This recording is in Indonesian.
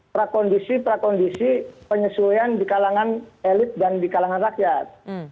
prakondisi prakondisi penyesuaian di kalangan elit dan di kalangan rakyat